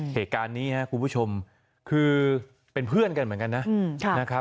เหตุการณ์นี้ครับคุณผู้ชมคือเป็นเพื่อนกันเหมือนกันนะครับ